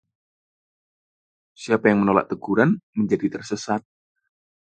siapa yang menolak teguran menjadi tersesat.